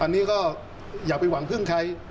อันนี้ก็อย่าไปหวังพึ่งใคร